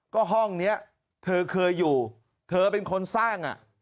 ก็ห้องนี้เธอเคยอยู่เธอเป็นคนสร้าง